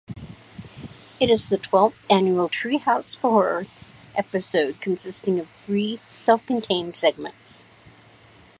It is the twelfth annual "Treehouse of Horror" episode, consisting of three self-contained segments.